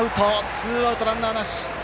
ツーアウト、ランナーなし。